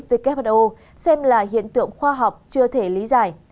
who xem là hiện tượng khoa học chưa thể lý giải